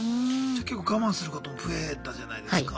じゃ結構我慢することも増えたじゃないですか。